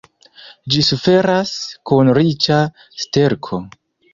Ĝi suferas kun riĉa sterko.